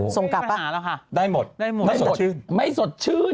ส่งกลับปะได้หมดไม่สดชื่น